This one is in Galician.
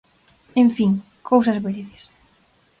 En fin, ¡cousas veredes!